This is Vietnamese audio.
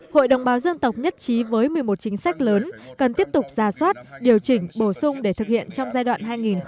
hội đồng báo dân tộc nhất trí với một mươi một chính sách lớn cần tiếp tục ra soát điều chỉnh bổ sung để thực hiện trong giai đoạn hai nghìn hai mươi một hai nghìn ba mươi